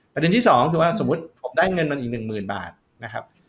ประเด็นที่สองก็คือว่าสมมุติผมได้เงินคนอีก๑๐๐๐บาทนะครับ